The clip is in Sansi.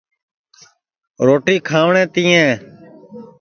روٹی کھاوٹؔیں تِئیں